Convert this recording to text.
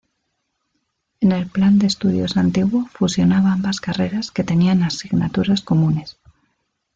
En el plan de estudios antiguo fusionaba ambas carreras que tenían asignaturas comunes.